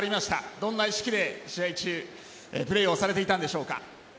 どんな意識で試合中プレーされていたんでしょうか。